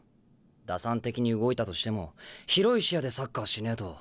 打算的に動いたとしても広い視野でサッカーしねえと。